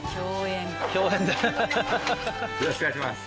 よろしくお願いします。